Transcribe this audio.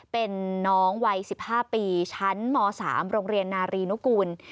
เป็นน้องวัย๑๕ปีชั้นม๓โรงเรียนนารีนุกูล